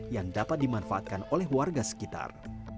yang dapat dimanfaatkan oleh warga sekitar